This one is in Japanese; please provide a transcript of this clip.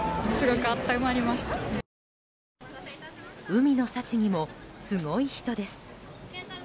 海の幸にもすごい人です。